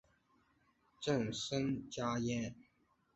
朕甚嘉焉。